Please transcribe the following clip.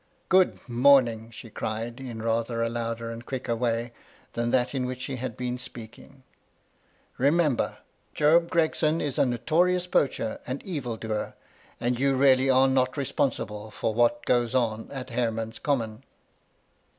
" Good morning !" she cried, in rather a louder and quicker way than that in which she had been speaking. " Remember, Job Gregson is a notorious poacher and evildoer, and you really are not responsible for what goes on at Hareman's Common."